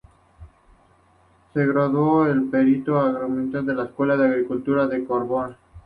Se graduó de perito agrónomo en la Escuela de Agricultura de Córdoba.